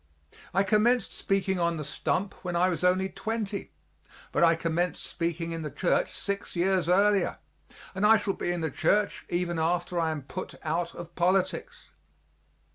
I commenced speaking on the stump when I was only twenty, but I commenced speaking in the church six years earlier and I shall be in the church even after I am put of politics.